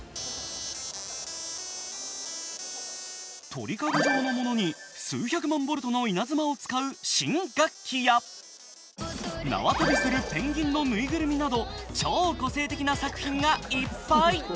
鳥かご状のものに数百万ボルトの稲妻を使う新楽器や縄跳びするペンギンの縫いぐるみなど超個性的な作品がいっぱい。